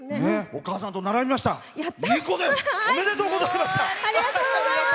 お母さんと並びました２個です。